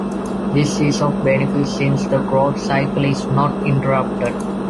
This is of benefit since the growth cycle is not interrupted.